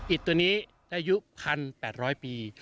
ตัวนี้อายุ๑๘๐๐ปี